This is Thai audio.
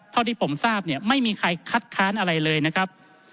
เท่าที่ผมทราบเนี่ยไม่มีใครคัดค้านอะไรเลยนะครับ